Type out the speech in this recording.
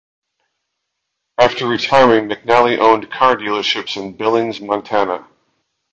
After retiring McNally owned car dealerships in Billings, Montana.